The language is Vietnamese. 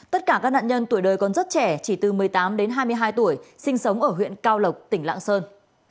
tất cả các nạn nhân tuổi đời còn rất trẻ chỉ từ một mươi tám đến hai mươi hai tuổi sinh sống ở huyện cao lộc tỉnh lạng sơn